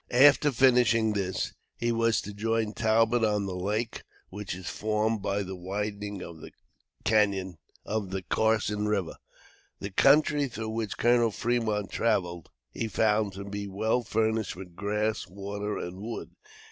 After finishing this, he was to join Talbot on the lake which is formed by the widening of the Carson River. The country through which Colonel Fremont traveled, he found to be well furnished with grass, water and wood.